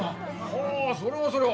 ほうそれはそれは。